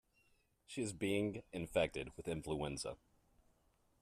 She is being infected with influenza.